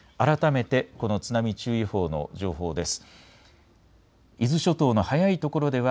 改めてこの津波注意報の情報です。